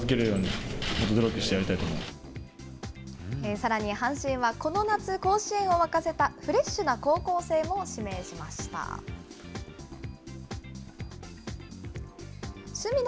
さらに阪神はこの夏、甲子園を沸かせた、フレッシュな高校生も指名しました。